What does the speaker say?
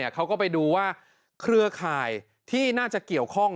เขาก็ไปดูว่าเครือข่ายที่น่าจะเกี่ยวข้อง